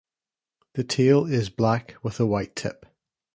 The tail is black with a white tip.